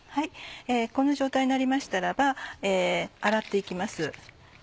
この状態になりましたらば洗って行きます。